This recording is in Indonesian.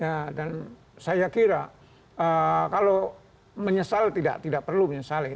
ya dan saya kira kalau menyesal tidak perlu menyesal ya